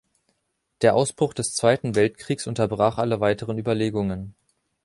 Der Ausbruch des Zweiten Weltkriegs unterbrach alle weiteren Überlegungen.